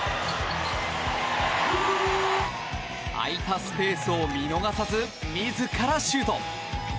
空いたスペースを見逃さず自らシュート。